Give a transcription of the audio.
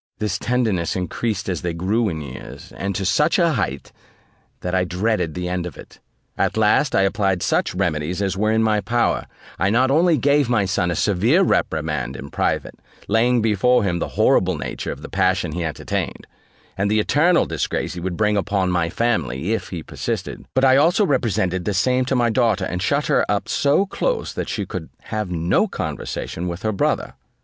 This tenderness increased as they grew in years, and to such a height, that I dreaded the end of it. At last, I applied such remedies as were in my power: I not only gave my son a severe reprimand in private, laying before him the horrible nature of the passion he entertained, and the eternal disgrace he would bring upon my family, if he persisted; but I also represented the same to my daughter, and shut her up so close that she could have no conversation with her brother.